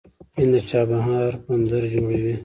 هند د چابهار بندر جوړوي.